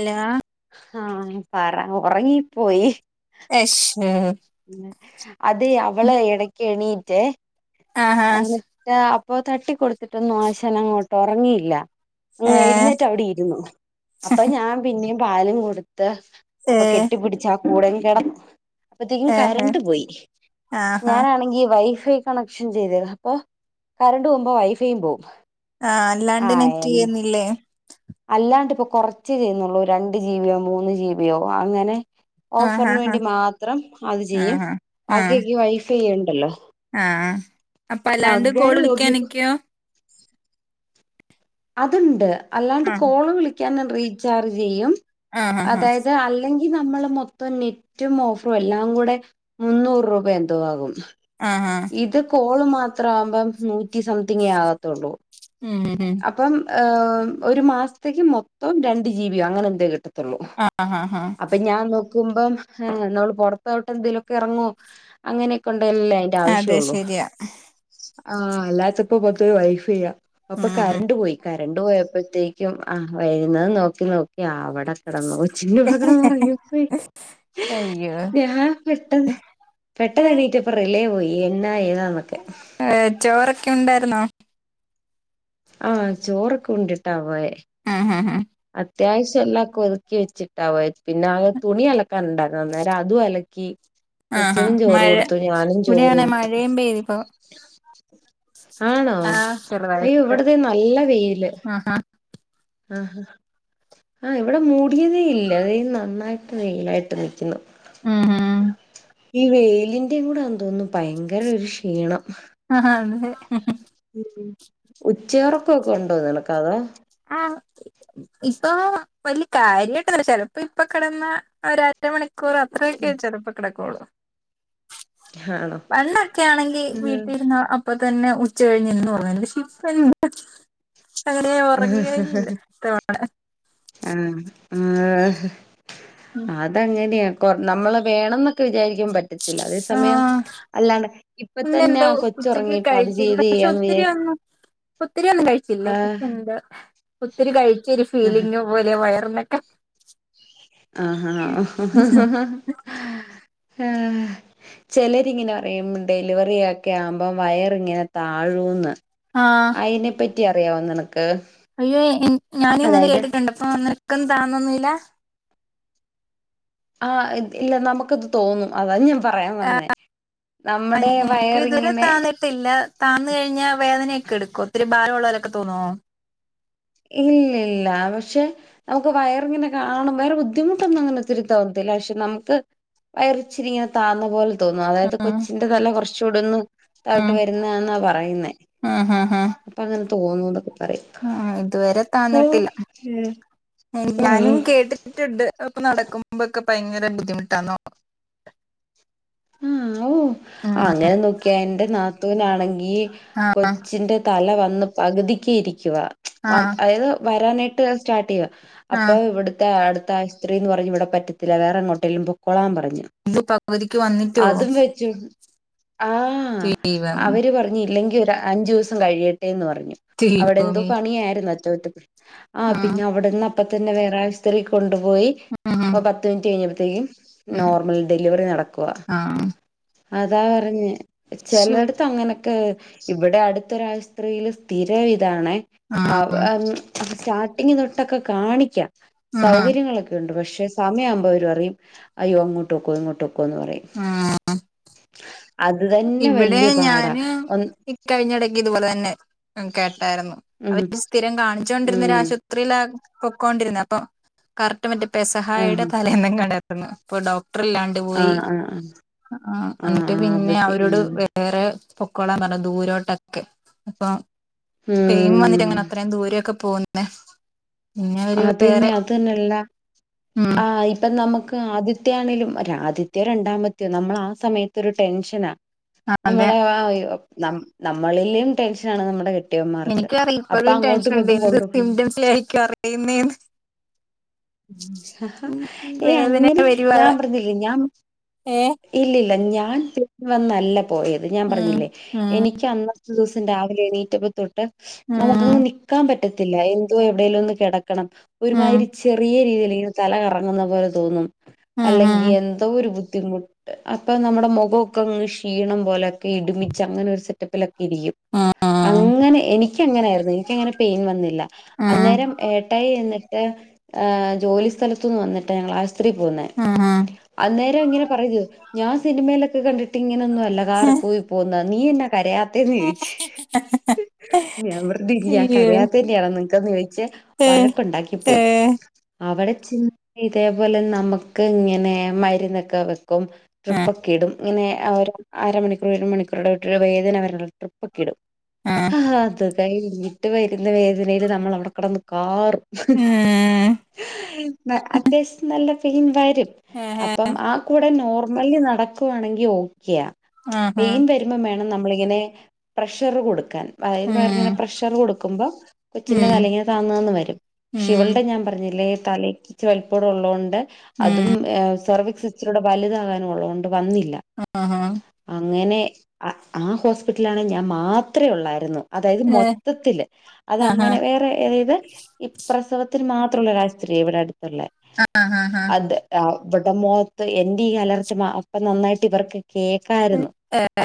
ഇല്ല ആഹ പറ ഉറങ്ങിപ്പോയി [unintelligible] അത അവള് ഇടക്ക് എണീട്ട് ആഹാ അന്ന് അപ്പൊ തട്ടിക്കൊടുത്തിട്ടൊന്നും ആശനങ്ങോട്ട് ഉറങ്ങിയില്ല ഏ എഴുന്നേറ്റ് അവിടെ ഇരുന്നു അപ്പൊ ഞാൻ പിന്നെയും പാലും കൊടു ഏ അപ്പൊ കെട്ടി പിടിച്ച് ആ കൂട കിട അപ്പോഴത്തേക്കും ഏഹ് കരണ്ട് പോയി ആഹാ ഞാനാണെങ്കിൽ വൈഫൈ കണക്ഷൻ ചെയ്തത് അപ്പോൊ കറണ്ട് പോകുമ്പോ വൈഫൈയും പോകും ആഹ അല്ലാണ്ട് നെറ്റ് ചെയ്യുന്നില്ലേ അല്ലാണ്ട് ഇപ്പോൊ കൊറച്ച് ചെയ്യുന്നുള്ളൂ രണ്ട് ജീബിയോ മൂന്ന് ജീബിയോ അങ്ങനെ ആഹ് ഓഫറിന് ആഹ് വേണ്ടി മാത്രം അത് ചെയ്യും ആഹ് ബാക്കിയക്കെ വൈഫൈ ഉണ്ടല്ലോ ആഹ അപ്പൊ അല്ലാണ്ട് കോൾ അങ്ങനെ നോക്കിയപ്പോ വിളിക്കാനിക്കെയോ അതുണ്ട് അല്ലാണ്ട് ആഹ് കോള് വിളിക്കാൻ റീചാർജ് ചെയ്യും ആഹ് ആഹ് അതായത് അ അല്ലെങ്കിൽ നമ്മള് മൊത്തം നെറ്റും ഓഫറും എല്ലാം കൂടെ മുന്നൂറ് രൂപ എന്തുവാകും ആഹ ആഹ ഇത് കോള് മാത്രം ആവുമ്പം നൂറ്റി സംതിങ്ങേ ആകത്തുള്ളൂ ഉം ഉം അപ്പം ഒരു മാസത്തേക്ക് മൊത്തം രണ്ട് ജീബിയോ അങ്ങനെ എന്ത കിട്ടും ആഹ് ആഹ് ആഹ് അപ്പൊ ഞാൻ ന കും്പം ആ് നമ്മള് പുറത്തോട്ട് എന്തേലുമൊക്കെ ഇറങ്ങോ അങ്ങനെയൊക്കെ ഉണ്ടല്ലേ അതെ ആവശ്യള്ള ശരിയാ ആ അല്ലാത്തപ്പോ പത്ത വൈഫൈ ചെയ്യാം ഉം കറണ്ട് പോയി കറണ്ട് പോയപ്പോഴത്തേക്കും ആഹ് വരുന്നത് നോക്കി നോക്കി അവിടെ കിടന്ന ഒച്ചി ഇവിടെ കടന്ന് ഇറങ്ങി അയ്യോ ഞൻ പെട്ടെന്ന് പെട്ടെന്ന് എണീറ്റ പെട്ടന്ന് എണീറ്റപ്പോ റിലേ പോയി എന്ന താ നമുക്ക് ഏ ചോറൊക്കെ ഉണ്ടായിരുന്നോ ആഹ ചോറൊക്കെ ഉണ്ടിട്ടാ പോയെ ആ ഹഹ അത്യാവശ്യം എല്ലാംക്കെ ഒതുക്കി വെച്ചിട്ടാ പോയെ. പിന്നെ അങ്ങ് തുണി അലക്കാനുണ്ടായിരുന്നു. അന്നേരം അതു അലക്കി. ആഹാ കൊച്ചിനും ചോറ് മഴ കൊടുത്തു ഞാനും ചോറ് ഇവിടെയാണ് ണ്ടു. മഴയും പെയ്തിപ്പോ ആണോ ആഹ് അയ്യോ ചെറുതായിട്ട് ഇവിടതെ നല്ല വെയില് ആഹാ ആ ഹ ആഹ് ഇവിടെ മൂടിയതേ ഇല്ല ദേ നന്നായിട്ട് വെയിലായിട്ട് നിക്കുന്നു. ആഹാ ഈ വെയിലിന്റെയും കൂടാന്ന് തോന്നുന്നു ഭയങ്കര ഒരു ക്ഷീണം ആഹാ [unintelligible] ഉം ഉം. ഉച്ചയുറക്കൊക്കെ ഉണ്ടോ നിനക്കതോ ആഹ്. ഇപ്പൊ വലിയ കാര്യായിട്ടൊന്നില്ല ചിലപ്പോ ഇപ്പ കിടന്നാ ഒരരമണിക്കൂറോ അത്രയൊക്കെ ചിലപ്പ കിടക്കോള്ളു. ആണോ പണ്ടൊക്കെ ആണെങ്കി വീട്ടിലിര്ന്നാ അ പ്പ തന്നെ ഉച്ച കഴിഞ്ഞ് എന്നും ഒറങ്ങേന്നു. പക്ഷേ ഇപ്പ [unintelligible] അങ്ങനെ വീഴലില്ല തോണെ ആഹ് ആഹ് അതങ്ങനെയാ. പ്പം നമ്മള് വേണംന്നൊക്കെ വിചാരിക്കും പ റ്റത്തില്ല. അതേ സമയം ആഹ് അല്ലാണ്ടെ ഇപ്പ തന്നെ ഇന്നെന്തോ ആഹ് ഉച്ചക്ക് കൊച്ചൊറങ്ങി ട്ടത് കഴിച്ചില്ല ചെയ്തേ പക്ഷെ യ്യാംന്ന് ഒത്തിരി വിചാര് ഒന്നും ഒത്തിരി ഒന്നും കഴിച്ചില്ലേ [unintelligible] ഒത്തിരി കഴിച്ച ഒരു ഫീലിങ് പോലെ വയർനൊക്കെ. ആഹഹാ ഒഹൊഹൊഹൊഹ [inaudible] [unintelligible] ചിലരിങ്ങനെ പറയും ഡെലിവറിയൊക്കെ ആവുമ്പം വയറിങ്ങനെ താഴൂന്ന്. ആഹ്. അയിനെ പറ്റി അറിയാവോ നിനക്ക്. അയ്യേ എൻ ഞാനിങ്ങനെ അതായത് കേട്ടിട്ടുണ്ട് അപ്പൊ നിനക്കൊന്നും താന്നൊന്നും ല്ല. ആഹ് ഇത് ഇല്ല നമുക്ക്ത് തോന്നും അതാണ് ഞാൻ പറയാൻ വന്നേ നമ്മുടെ വയറിങ്ങനെ ത്തില്ല താന്ന് കഴിഞ്ഞ വേദനയൊക്കെ എടുക്കോ ഒത്തിരി ഭാരമുള്ളോലൊക്കെ തോന്നോ? ഇല്ലില്ല പക്ഷെ നമുക്ക് വയറിങ്ങനെ കാണുമ്പം വേറെ ബുദ്ധിമുട്ടൊന്നും അങ്ങനെ ഒത്തിരി തോന്നത്തില്ല. പക്ഷെ നമുക്ക് വയറിച്ചിരി ഇങ്ങനെ താന്നപോലെ തോന്നും അതായത് ഉം കൊച്ചിന്റെ തല കുറച്ചൂടൊന്ന് ഉം താഴോട്ട് വരുന്നേന്നാ പറയുന്നേ. ഉം ഉം ഉം അപ്പം അങ്ങനെ തോന്നുന്നു ന്നൊക്കെ പറയും. ആഹ് ഇതുവരെ ഓ താന്നിട്ടില്ല. ഉം ഞാനും കേട്ടി ട്ടിണ്ട് അപ്പൊ നടക്കുമ്പക്ക ഭയങ്കര ബുദ്ധിമുട്ടാന്നോ. ഉം ഉം ഔഹ്. ഔഹ് ഉം അങ്ങനെ നോക്കി എന്റെ നാത്തൂനാണെങ്കി ആഹ് കൊച്ചിന്റെ തല വന്ന് പകുതിക്ക് ഇരിക്കുവാ. അഹ് ആഹ് അതായത് വരാനായിട്ട് സ്റ്റാർട്ട് ചെയ്യുവ അപ്പൊ ആഹ് ഇവിടുത്തെ അടുത്താശു പത്രീന്ന് പറഞ്ഞ് ഇവടെ പറ്റത്തില്ല വേറെങ്ങോട്ടേലും പൊക്കോളാൻ പറഞ്ഞു. [unintelligible] പകുതിക്ക് വന്നിട്ടോ [unintelligible] ആഹ് ദൈവമേ അവര് പർഞ് ഇല്ലെങ്കി ഒരു അഞ്ചൂസം കഴിയട്ടെന്ന് പറഞ്ഞു. അവിടെ എന്തോ ദൈവമേ പണിയായിരുന്ന്, അറ്റകുറ്റപ്പണി. ആഹ് പിന്നെ അവിടെന്ന് അപ്പ തന്നെ വേറെയാശു പത്രി കൊണ്ടുപോയി ഉം ഉം പത്ത് മിനിറ്റ് കഴിഞ്ഞപ്പത്തേക്കും ഉം നോർമൽ ഡെലിവറി നടക്കുവാ. ആഹ്. അതാ പറഞ്ഞേ ശരി ചെലോട്ത്ത് അങ്ങനെക്കെ ഇവടെ അടുത്തൊരാഷ്ത്രില് തിര ഇതാണെ ആ ആഹ് ആ സ്റ്റാർട്ടിംഗ് തൊട്ടൊക്കെ കാണിക്കാം ആഹ് സൗകര്യങ്ങളെക്കെ ഒണ്ട് പക്ഷെ സമയം ആവുമ്പ അവര് പറയും അയ്യോ അങ്ങോട്ടൊക്കോ ഇങ്ങോട്ടോക്കൊ എന്ന് പറയും ആ അത് തന്നെ ഇവിടെ വല്യ പാടാ ഞാന് ഒന്ന് ഇക്കഴിഞ്ഞടക്ക് ഇതുപോലെ തന്നെ കേട്ടായിരുന്നു ഉം അവര് സ്ഥിരം കാണിച്ചുകൊണ്ടിരുന്ന ഉം ഒരാഷു ത്രില പൊക്കോണ്ടിരുന്നത് അപ്പൊ കറക്ട് മറ്റേ പെസഹായുടെ ആഹ് തലേന്നെങ്ങാണ്ട ഇപ്പ ഡോക്ടർ ഇല്ലാണ്ട് പോയി ആഹ് ആഹ് ആഹ് ആഹ് എന്നിട്ട് ആഹ് പിന്നെ അവധി അവരോട് ഉം വേറെ പൊക്കോളാം പർഞ് ദൂരോട്ടക്കെ അപ്പൊ പെയിം ഉം വന്നിട്ടങ്ങനെ അത്രയും ദൂരയൊക്കെ പോവുന്നെ അതന്നെ അതന്ന അല്ല ഉം ആ ഇപ്പ നമുക്ക് ആദ്യ ത്തെ ആണേലും ആദ്യത്തെയോ രണ്ടാമത്തയോ നമ്മള് ആ സമയത്തരു ടെൻഷനാ അതെ നമ്മുടെ ആ ന നമ്മളിലും ടെൻഷന ആണ് നമ്മുടെ കെ എനിക്കറിയ ഇപ്പഴും ടെൻഷൻണ്ട് എന്ത് കൊണ്ടുപോണം സിംറ്റംസിലായിരിക്കും അറിയുന്നെന്ന് ഏ അങ്ങനെ വരുവാ ഞാൻ പറഞ്ഞില്ലേ ഞാം ഏഹ് ഇല്ലല്ല ഞാൻ തി [unintelligible] വന്നല്ല പോയത് ഞാൻ ഉം പറഞ്ഞില്ലേ ഉം എനിക്ക് ക്ക് അന്നത്തെ ദിവസം രാവിലെ എണീറ്റപ്പ തൊട്ട് നമുക്കങ് ഉം നി ക്കാം പറ്റത്തില്ല എന്തോ എവിടെലോന്ന് കെടക്കണം ഉം ഒരുമായിരി ചെറിയ രീതില് ഇങ്ങനെ തല കറങ്ങുന്ന പോലെ തോന്നും ഉം അല്ലെങ്കി ഉം എന്തോ ഒരു ബുദ്ധിമു അപ്പ നമ്മുടെ മുഖോക്കെ അങ്ങ് ക്ഷീണം പോലെക്കെ ഇട്മിച്ച് അങ്ങനെ ഒരു സെറ്റപ്പിലൊ ക്കിരിക്കും ഉം അങ്ങനെ എനിക്കങ്ങനായിരുന്നു എനിക്കങ്ങനെ പെയിൻ വന്നില്ല ഉം അന്നേരം ഏട്ടായി വന്നിട്ട ഏ ജോലി സ്ഥലത്തുന്ന് വന്നിട്ട ഞങ്ങള് ആശുത്രി പോവുന്നെ ആ അന്നേരം ഇങ്ങനെ പറയ ഞാൻ സിനിമയിലൊക്കെ കണ്ടിട്ട് ഇങ്ങനോന്നു അല്ല കാറ് പോയി പോന്നാ നീ എന്നാ കരയാത്തേന്ന് ചോയിച് [unintelligible] അയ്യോ കരയാത്തന്നെയാണോ നിങ്ങക്കന്ന് ചോയിച് ഏഹ് വഴക്കുണ്ടാക്കി പോയി ഏഹ് അവട ചെ ഇതേപോലെ നമുക്ക് ഇങ്ങനെ മരുന്നക്കെ വെ ട്രിപ്പക്ക ഇടും ഇങ്ങനെ ഒരു അര മണിക്കൂർ ഒരു മണിക്കൂറട വിട്ട് വേദന വരുള്ളു ട്രിപ്പൊക്കെ ഇടും ആഹ് ആഹ് ഹാ അത് കൈഞ്ഞിട്ട് വരുന്ന വേദനയില് നമ്മള് അവട കടന്ന് കാറും ഉം അത്യാവശ്യം നല്ല പെയിൻ വരും ആഹാ അപ്പം ആ കൂടെ നോർമലി നടക്കുവാണെങ്കി ഓക്കെ ആഹാ പൈൻ വരും വേണം നമ്മളിങ്ങനെ പ്രഷറ് കൊടുക്കാൻ [unintelligible] ഉം പ്രഷറ് കൊടുക്കുമ്പം കൊച്ചി്ന്റെ ഉം തല ഇങ്ങനെ താന്ന് താന്ന് വരും പക്ഷേ ഉം ഇവൾടെ ഞാൻ പറഞ്ഞില്ലേ തലക്ക് ഇച്ചിരി വൽപ്പള്ളതൊണ്ട് അതും ഉം ഏ സർവിക്സ് ഇച്ചിരിയൂടെ വല്താവാനു ഉള്ളൊണ്ട് വന്നില്ല ആഹാ അങ്ങനെ ആ ഹോസ്പിറ്റൽ ആണെ ഞാൻ മാത്രെ ഒള്ളായിരുന്നു അതായത് ഏഹ് മൊത്തത്തില് ആഹാ അതങ്ങന വേറെ ഇത് ഈ പ്രസവത്തിന് മാ ത്ത്ള്ള ഒരാഷ്ത്രീ ഇവട അട്ത്ത്ള്ളെ ആ ഹാ ഹാ അത് ആ ഇവട മൊത്ത് എന്റെ ഈ അലർച്ച മാ അപ്പം നന്നായിട്ട് ഇവർക്ക് കേക്കായിരുന്നു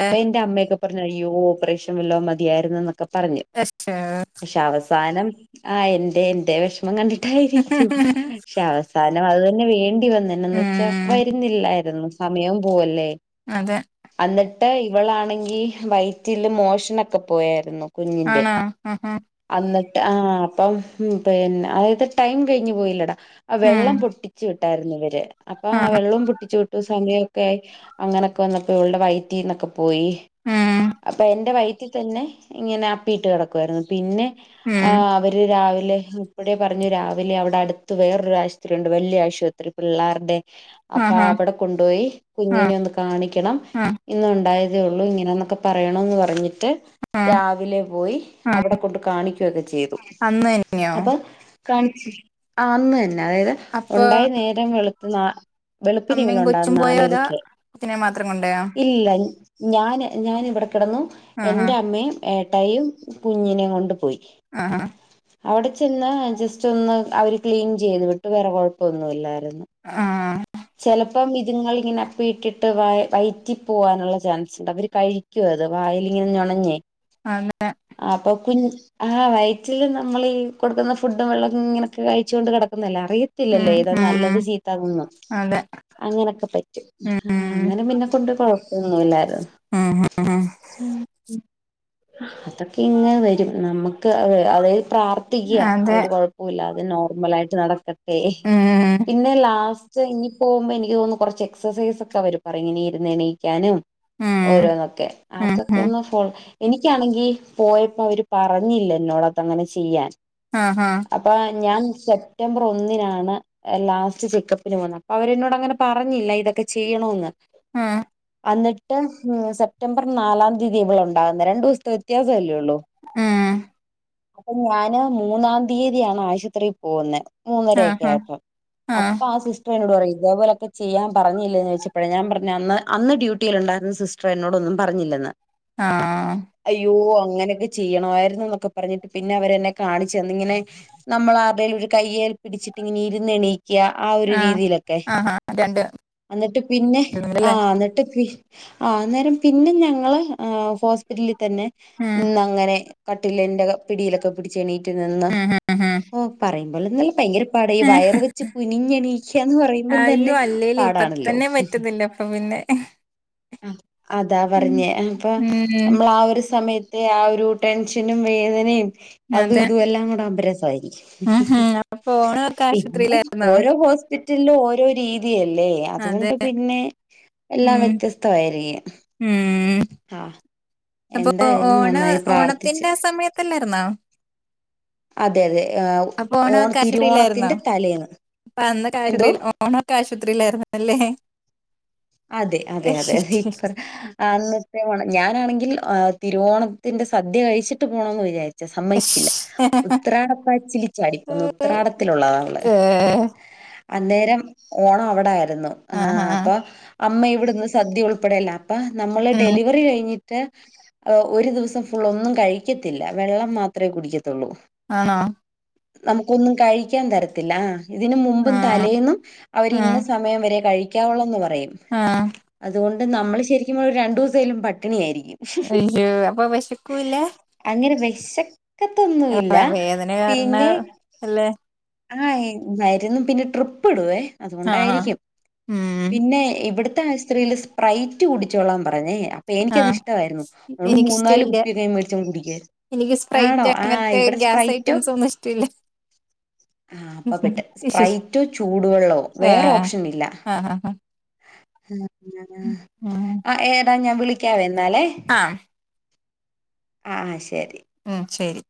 അപ്പ എന്റെ അമ്മയൊക്കെ പർഞ്ഞു അയ്യോ ഓപ്പറേഷൻ വല്ലോം മതിയായിരുന്നുന്നൊക്കെ പറഞ് [unintelligible] ശവസാനം ആ എന്റെ എന്റെ വിഷമം കണ്ടിട്ടായിരിക്കും ശസ സാരം അത് തന്നെ വേണ്ടി വന്ന്. എന്നന്ന് വെച്ചാ ഉം വരുന്നില്ലായിരുന്നു, സമയവും പോവല്ലേ അതെ അന്നിട്ട് ഇവളാണെങ്കി വൈറ്റില് മോഷനൊക്കെ പോയായിരുന്നു കുഞ്ഞിന്റെ ആണോ ആഹാ അന്നിട്ട് ആ അപ്പം പിന്നെ അതായത് ടൈം കഴിഞ്ഞു പോയില്ലടാ. അ ഉം വെള്ളം പൊട്ടിച്ചു വിട്ടായിരുന്നു ഇവര് അപ്പൊ ആ ആഹാ വെള്ളം പൊ ട്ടിച്ചൂട്ട സമയൊക്കെ ആയി അങ്ങനൊക്കെ വന്നപ്പോ ഇവൾടെ വൈറ്റിന്നൊക്കെ പോയി. ഉം അപ്പൊ എന്റെ വയറ്റിൽ തന്നെ ഇങ്ങനെ അപ്പിയിട്ട് കിടക്കുവായിരുന്നു പിന്നെ ഉം ആഹ് അവര് രാവിലെ ഇപ്പടെ പറഞ്ഞു രാവി വിലെ അവിടെ അടുത്ത് വേറൊരാശുപത്രിണ്ട്. വല്യ ആശുപത്രി പിള്ളാരുടെ അപ്പ ആഹാ അവിടെ കൊണ്ടോയി ആഹ് കുഞ്ഞിനെ ഒന്ന് കാണിക്കണം ആഹ് ഇന്നുണ്ടായതേ ഉള്ളു ഇങ്ങനെന്നൊക്കെ പറയണന്ന് പറഞ്ഞിട്ട് ആഹ് രാവിലെ പോയി ആഹ് അവിടെ കൊണ്ട് കാണിക്കുകയൊക്കെ ചെയ്തു അന്ന് തന്നെയോ അപ്പൊ കാണി ആഹ് അന്ന് തന്നെ അതായത് അപ്പൊ ഉണ്ടായി നേരം വെളുത്ത ന വെളുപ്പിനേ ഇങ്ങനെ അമ്മയും കൊച്ചും ഉണ്ടാകുന്നേ. പോയോ അതോ നാലരക്ക് കൊച്ചിനെ മാത്രം കൊണ്ടോയോ ഇല്ലില്ല ഞാൻ ഞാനിവിടെ കിടന്നു. ആഹാ എന്റെ അമ്മയും ഏട്ടായിയും കുഞ്ഞിനെയും കൊണ്ട് പോയി ആഹ് അവടെ ചെന്ന് ജസ്റ്റ്ന്ന് അവര് ക്ലീൻ ചെയ്ത് വിട്ട് വേറെ കൊഴപ്പൊന്നുല്ലായിരുന്നു ആഹ് ചെലപ്പം ഇത്ങ്ങളിങ്ങനെ അപ്പി ഇട്ടിട്ട് വ വയറ്റി പോവാനുള്ള ചാൻസ്ണ്ട്. അവര് കഴി ക്കു അത് വായിലിങ്ങനേ നൊണഞ്ഞേ [unintelligible] അപ്പൊ കു ആഹ് വയറ്റില് നമ്മളീ കൊടുക്കുന്ന ഫു ഡ് വെള്ളം ഇങ്ങനൊക്കെ കഴിച്ചുകൊണ്ട് കിടക്കുന്നല്ലേ ഉം അറിയത്തില്ലല്ലോ ഏത ഉം നല്ലത് ചീത്താ ന്നൊന്നും അതെ അങ്ങനൊക്കെ പറ്റും. ഉം അങ്ങനെ പിന്നെ കൊണ്ട് കൊഴപ്പൊന്നുല്ലാരുന്നു ഉം ഹും ഉം അതൊക്കെ ഇങ്ങനെ വരും. നമ്മക്ക് അതായത് പ്രാർ ത്ഥിക്കാ അതെ ഒരു കൊഴപ്പുല്ലാതേ നോർമലായിട്ട് നടക്കട്ടെ.. ഉം പിന്നെ ലാസ് സ്റ്റ് ഇനി പോകുമ്പോ എനിക്ക് തോന്നുന്നു കൊറച്ച് എക്സസൈസ് ഒക്കെ അവര് പറയും ഇങ്ങനെ ഇരുന്ന് എണിക്കാനും ഉം ഓരോന്നൊക്കെ ഉം ഉം അതൊക്കൊന്ന് ഫോൾ എനിക്കാണെങ്കി പോയപ്പോ അവര് പറഞ്ഞില്ല എന്നോട് അതങ്ങനെ ചെയ്യാൻ ആഹാ അപ്പൊ ഞാൻ സെപ്റ്റംബർ ഒന്നിനാണ് ലാസ്റ്റ് ചെക്കപ്പിന് പോവുന്നെ. അപ്പൊ അവരെന്നോടങ്ങനെ പറഞ്ഞില്ല ഇതൊക്കെ ചെയ്യണന്ന് ഉം അന്നിട്ട് സെപ്റ്റംബർ നാലാം തീയതി ഇവിളുണ്ട് ണ്ടാവുന്നെ. രണ്ട് ദിവസത്തെ വ്യത്യാസവല്ലേള്ളു ഉം അപ്പൊ ഞാന് മൂന്നാം തീയതിയാണ് ആശുപത്രി പോവുന്നേ. മൂന്നരക്കെ ആഹാ ആയപ്പോ ആഹ് അപ്പാ സിസ് സ്‌റ്റർ നോട് പറയും ഇതേപോലൊക്കെ ചെയ്യാൻ പറഞ്ഞില്ലേന്ന് ചോദിച്ചപ്പോ ഞാൻ പറഞ്ഞ് അന്ന്, അന്ന് ഡ്യട്ടിൽണ്ടായിരുന്ന സിസ്‌ റ്റർ എന്നോട് ഒന്നും പറഞ്ഞില്ലെന്ന് ആഹ് ആഹ് അയ്യോ അങ്ങനെയൊക്കെ ചെയ്യണമായിരുന്നുന്നൊക്കെ പറഞ്ഞിട്ട് പിന്നെ അവരെന്നെ കാണിച്ചന്നു. ഇങ്ങനെ നമ്മളാരുടെലും ഒരു കയ്യേൽ പിടിച്ചിട്ട് ഇങ്ങനെ ഇരുന്ന് എണീ ക്ക്യ. ആ ഒരു ആഹ് രീതീലൊക്കെ, ആഹാ രണ്ട് എന്നിട്ട് പിന്നെ ല്ലേ ആഹ് എന്നിട്ട് പി ആഹ് അന്നേരം പിന്നെ ഞങ്ങള് ഹോസ്പിറ്റലിതന്നെ ഉം ഇന്നങ്ങനെ കട്ടിലിന്റെ പിടിയിലൊക്കെ പിടിച്ച് എണീറ്റ് നിന്ന്, ഉം ഉം ഓ പറയുമ്പോലൊന്നുഅല്ല, പയങ്കര പാടെ ഈ ഉം വയർ വെച്ച് കുനിഞ്ഞണീക്കാന്ന് പറയുമ്പം തന്നെ പാടാണല്ലോ. ഇപ്പൊ പറ്റുന്നില്ല. അപ്പൊ പിന്നെ [unintelligible] ആഹ് അതാ ഉം പറഞ്ഞേ അപ്പൊ ഉം നമ്മൾ ആ ഒരു സമയ ത്ത് ആ ഒരു ടെൻഷനും വേദനയും അതും അതെ ഇതു എല്ലാം കൂടെ ആവുമ്പോ രസമായിരിക്കും. ഉം ഉം അപ്പൊ ഓണൊക്കെ പിന്നെ ആശുപത്രിയിലായിരുന്നോ ഓരോ ഹോസ് പിറ്റലിൽ ഓരോ രീതിയല്ലേ അതെ അതുകൊണ്ട് പിന്നെ എല്ലാം ഉം വ്യത്യസ്തമായിരിക്കും. ഉം ആഹ് അപ്പൊ എന്തായാലും ഓണ നന്നായി പ്രാർത്ഥിച്ച്. ഓണത്തിന്റെ ആ സമയത്തല്ലായിരുന്നോ അതെ അതെ അപ്പൊ ആഹ് ഓണൊക്കെ ആശുപത്രിയിലായിരുന്നോ തിരുവോണത്തിന്റെ തലേന്ന് അപ്പൊ അന്നൊക്കെ എന്തോ ആശുപത്രിൽ ഓണൊക്കെ ആശുപത്രിയിലായിുന്നുന്നല്ലേ. അതെ അതെ അതെ അതെ ഇപ്പ അന്ന് ഞാനാണെങ്കിൽ തിരുവോണത്തിന്റെ സദ്യ കഴിച്ചിട്ട് പോണം എന്ന് വിചാരിച്ചു. പക്ഷെ സമ്മച്ചില്ല. ഉത്രാടപ്പാച്ചില ചടിക്കുന്നു. ഉത്രാടത്തിലുള്ളത അവള് ഏഹ് അന്നേരം ഓണം അവിടൊയിരുന്നു ആഹാ ആഹ് അപ്പൊ അമ്മ ഇവിടുന്ന് സദ്യ ഉൾപ്പെടെയല്ല അപ്പ നമ്മള് ഉം ഡെലിവറി കഴിഞ്ഞിട്ട് മറ്റേ ഒരു ദിവസം ഫുൾ ഒന്നും കഴിക്കത്തില്ല. വെള്ളം മാത്രമേ കുടിക്കത്തുള്ളൂ. ആണോ നമുക്കൊന്നും കഴിക്കാൻ തരത്തില്ല. ഇതിന് മുമ്പും ആഹ് തലേന്നും അവര് ഇന്ന ആഹ് സമയം വരെ കഴിക്കാവുള്ളൂന്ന് പറയും. ആഹ് അതുകൊണ്ട് നമ്മള് ശരിക്കും ഒരു രണ്ടു ദിവസാലും പട്ടിണിയായിരിക്കും. അയ്യോ അപ്പൊ വിശക്കൂല അങ്ങനെ വിശക്കത്തൊന്നുംല്ല വേദന കാരണം പിന്നെ അല്ലേ ആഹായിരുന്നു പിന്നെ ട്രിപ്പ് ഇടുവേ ആഹ് അതുകൊണ്ടായിരിക്കും. ഉം പിന്നെ ഇവിടു ത്തെ അസ്ത്രീല് സ്പ്രൈറ്റ് കുൂടിച്ചോളാൻ പറഞ്ഞേ അപ്പ എനിക്കത് ആഹ് ഇഷ്ടമായിരുന്നു അതു കൊണ്ട് മൂന്നാല് എനിക്കിഷ്ടമില്ല കുപ്പിയൊക്കെ മേടിച്ച് കുടിക്കാരുന്നു. എനിക്ക് സ്പ്രൈറ്റ് അങ്ങനത്തെ ഗ്യാസ് ഐറ്റംസ് ഒന്നും ഇഷ്ടമില്ല. ആഹ് അപ്പപേട്ട് സ്പ്രൈറ്റോ ചൂടുവെള്ളമോ വേറെ ആഹ് ഓപ്ഷൻ ഇല്ല. ആഹ് ആഹ് ആഹ് ഏതാ ഞാൻ വിളിക്കാവേ എന്നാലേ ആഹ് ആഹ് ആഹ് ശരി ഉം ശരി